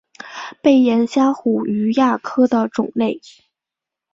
背眼虾虎鱼亚科的种类。